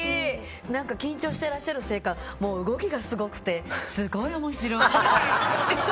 何か緊張していらっしゃるせいか動きがすごくて、すごい面白い！